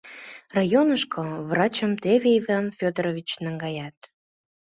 Районышко врачым теве Иван Фёдорович наҥгая!